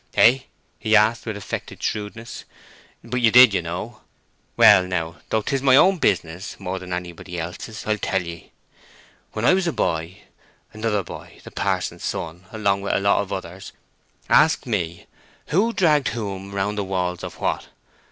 "Hey?" he asked, with affected shrewdness. "But you did, you know. Well, now, though it is my own business more than anybody else's, I'll tell ye. When I was a boy, another boy—the pa'son's son—along with a lot of others, asked me 'Who dragged Whom round the walls of What?